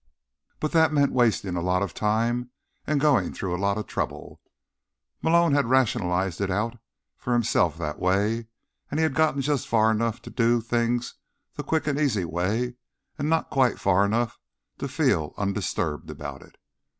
But that meant wasting a lot of time and going through a lot of trouble. Malone had rationalized it out for himself that way, and had gotten just far enough to do things the quick and easy way and not quite far enough to feel undisturbed about it.